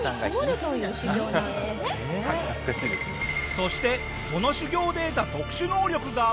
そしてこの修業で得た特殊能力が。